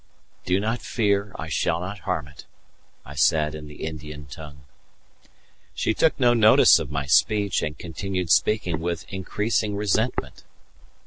"Do not fear, I shall not harm it," I said in the Indian tongue. She took no notice of my speech and continued speaking with increasing resentment.